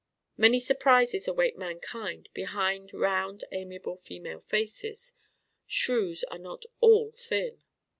(Many surprises await mankind behind round amiable female faces: shrews are not all thin.)